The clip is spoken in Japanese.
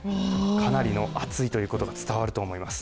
かなりの暑いということが伝わると思います。